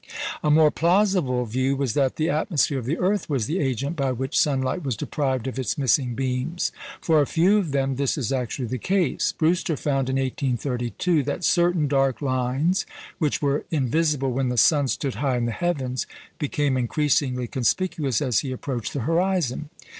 A more plausible view was that the atmosphere of the earth was the agent by which sunlight was deprived of its missing beams. For a few of them this is actually the case. Brewster found in 1832 that certain dark lines, which were invisible when the sun stood high in the heavens, became increasingly conspicuous as he approached the horizon.